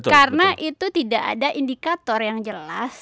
karena itu tidak ada indikator yang jelas